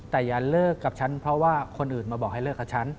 แต่อย่าเลิกกับฉันเพราะว่าคนอื่นมาบอกให้เลิกกับฉัน